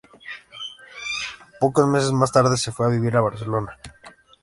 Pocos meses más tarde se fue a vivir a Barcelona.